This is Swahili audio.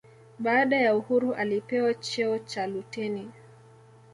baada ya uhuru alipewa cheo cha luteni